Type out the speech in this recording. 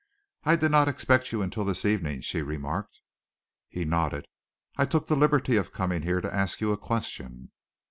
"I did not expect you until this evening," she remarked. He nodded. "I took the liberty of coming here to ask you a question."